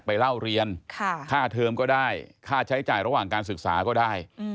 เล่าเรียนค่าเทอมก็ได้ค่าใช้จ่ายระหว่างการศึกษาก็ได้